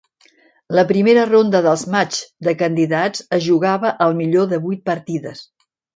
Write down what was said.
La primera ronda dels matxs de Candidats es jugava al millor de vuit partides.